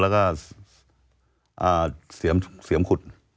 แล้วก็เสียมขุด